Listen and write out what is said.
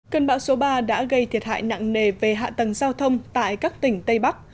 cơn bão số ba đã gây thiệt hại nặng nề về hạ tầng giao thông tại các tỉnh tây bắc